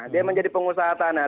dia menjadi pengusaha tanah